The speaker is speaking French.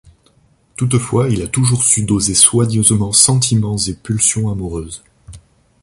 Toutefois, il a toujours su doser soigneusement sentiments et pulsions amoureuses.